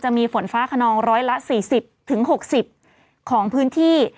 มีฝนฟ้าขนองร้อยละ๔๐๖๐ของพื้นที่